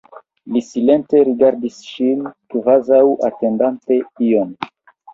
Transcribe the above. Li silente rigardis ŝin, kvazaŭ atendante ion.